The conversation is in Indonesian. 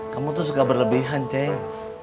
kamu tuh suka berlebihan cek